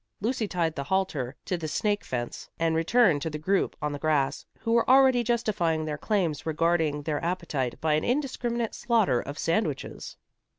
Lucy tied the halter to the snake fence, and returned to the group on the grass, who were already justifying their claims regarding their appetite by an indiscriminate slaughter of sandwiches.